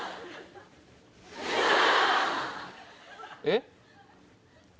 えっ？